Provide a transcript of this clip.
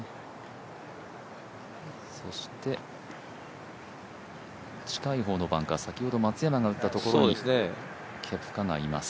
そして、近い方のバンカー、先ほど松山が打ったところにケプカがいます。